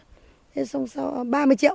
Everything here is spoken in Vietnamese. thế xong sau ba mươi triệu